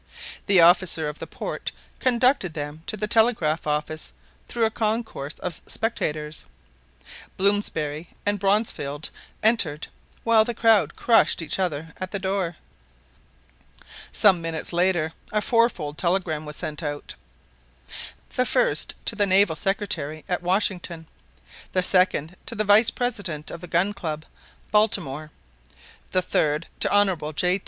The officer of the port conducted them to the telegraph office through a concourse of spectators. Blomsberry and Bronsfield entered, while the crowd crushed each other at the door. Some minutes later a fourfold telegram was sent out—the first to the Naval Secretary at Washington; the second to the vice president of the Gun Club, Baltimore; the third to the Hon. J.